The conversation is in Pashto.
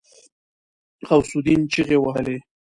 غوث الدين چيغې وهلې.